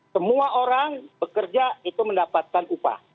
semua orang bekerja itu mendapatkan upah